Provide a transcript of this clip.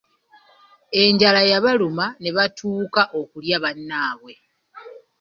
Enjala yabaluma ne batuuka okulya bannaabwe.